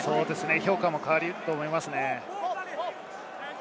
評価も変わると思いますね。